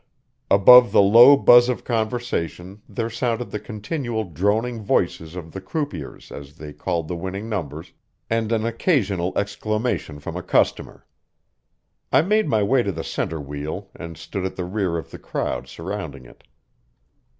Above the low buzz of conversation there sounded the continual droning voices of the croupiers as they called the winning numbers, and an occasional exclamation from a "customer." I made my way to the center wheel and stood at the rear of the crowd surrounding it.